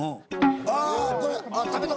あこれ！